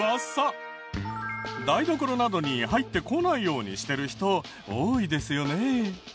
台所などに入ってこないようにしてる人多いですよね。